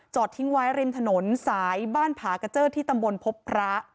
จอดทิ้งไว้เร็มถนนสายบ้านพาเก้าเจ้อที่ตำบลพบพระ